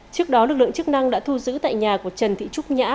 trước đó lực lượng chức năng đã thu giữ tại nhà của trần thị trúc nhã